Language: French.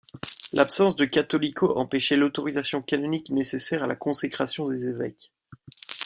L'absence de catholicos empêchait l'autorisation canonique nécessaire à la consécration des évêques.